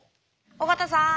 尾形さん。